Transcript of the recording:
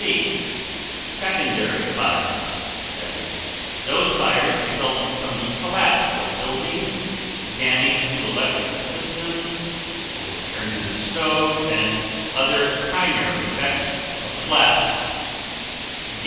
C. Secondary fires, i.e., those fires resulting from the collapse of buildings, damage to electrical systems, overturning of stoves, and other primary effects of the blast.